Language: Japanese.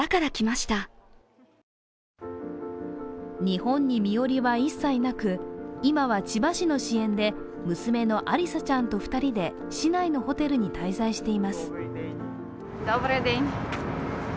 日本に身寄りは一切なく今は千葉市の支援で娘のアリサちゃんと２人で市内のホテルに滞在しています。